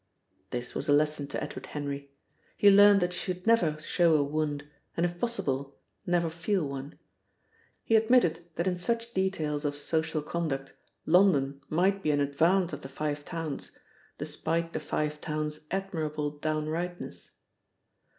This was a lesson to Edward Henry. He learnt that you should never show a wound, and if possible never feel one. He admitted that in such details of social conduct London might be in advance of the Five Towns, despite the Five Towns' admirable downrightness.